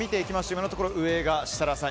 今のところ上が設楽さん